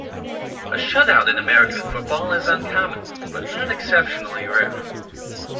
A shutout in American football is uncommon but not exceptionally rare.